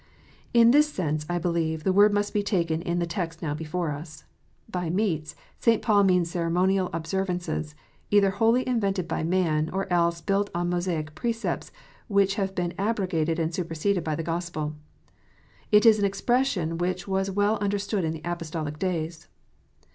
In this sense, I believe, the word must be taken in the text now before us. By " meats " St. Paul means ceremonial observances, either wholly invented by man, or else built on Mosaic precepts which have been abrogated and superseded by the Gospel. It is an expression which was well understood in the Apostolic days.